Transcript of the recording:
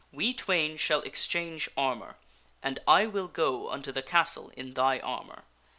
We twain shall exchange armor, and I will go unto the castle in thy armor.